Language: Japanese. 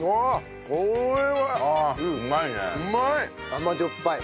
甘じょっぱい。